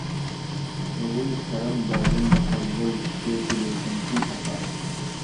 ڕووی کەرەم دایم لە هەرزە و شێت و بێ تەمکین ئەکا